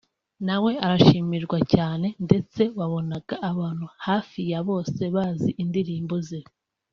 na we arishimirwa cyane ndetse wabonaga abantu hafi ya bose bazi indirimbo ze